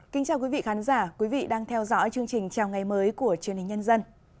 kính chào quý vị khán giả quý vị đang theo dõi chương trình chào ngày mới của chương trình nhân dân